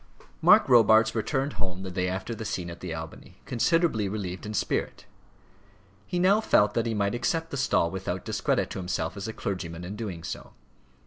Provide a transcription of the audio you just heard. Mark Robarts returned home the day after the scene at the Albany, considerably relieved in spirit. He now felt that he might accept the stall without discredit to himself as a clergyman in doing so.